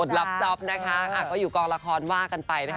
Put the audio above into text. สรุปรับซอฟต์นะคะก็อยู่กองละครว่ากันไปนะคะ